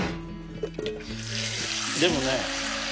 でもね